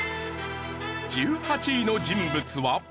１８位の人物は。